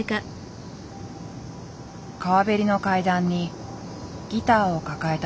川べりの階段にギターを抱えた男性がいた。